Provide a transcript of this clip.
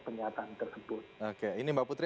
pernyataan tersebut oke ini mbak putri